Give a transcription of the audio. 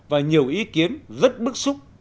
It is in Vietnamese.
và nhiều ý kiến rất bức xúc